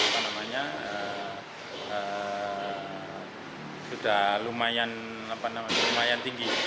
sudah lumayan tinggi